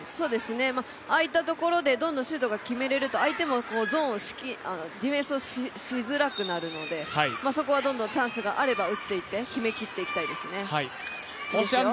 空いたところでどんどんシュートを決めれると相手もゾーンディフェンスをしづらくなるのでそこはどんどんチャンスがあれば打っていって、決めきっていきたいですね。